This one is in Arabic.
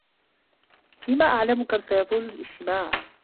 لِمْ أعلَم كَمْ سَيَطولُ الإجتِماع